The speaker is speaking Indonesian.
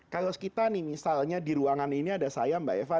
kalau kita nih misalnya di ruangan ini ada saya mbak eva